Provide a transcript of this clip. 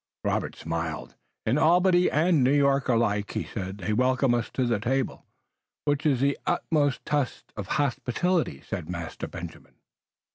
Robert smiled. "In Albany and New York alike," he said, "they welcome us to the table." "Which is the utmost test of hospitality," said Master Benjamin.